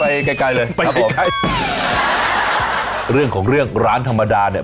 ไกลไกลเลยครับผมเรื่องของเรื่องร้านธรรมดาเนี่ย